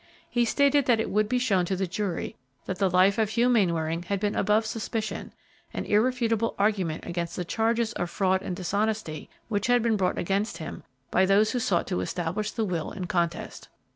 He stated that it would be shown to the jury that the life of Hugh Mainwaring had been above suspicion, an irrefutable argument against the charges of fraud and dishonesty which had been brought against him by those who sought to establish the will in contest.